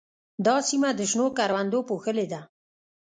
دا سیمه د شنو کروندو پوښلې ده.